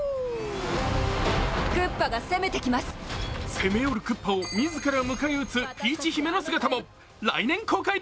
攻め寄るクッパを自ら迎え撃つピーチ姫の姿も。